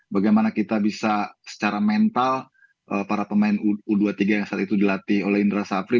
bagaimana kita bisa secara mental para pemain u dua puluh tiga yang saat itu dilatih oleh indra safri